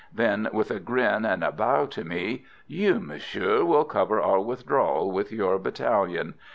Then, with a grin and a bow to me: "You, monsieur, will cover our withdrawal with your battalion.